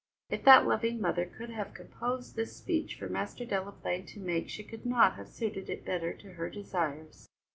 If that loving mother could have composed this speech for Master Delaplaine to make she could not have suited it better to her desires.